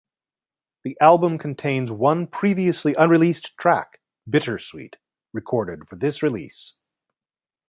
The album contains one previously unreleased track, "Bittersweet", recorded for this release.